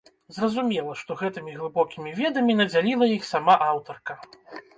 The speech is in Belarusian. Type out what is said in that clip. Зразумела, што гэтымі глыбокімі ведамі надзяліла іх сама аўтарка.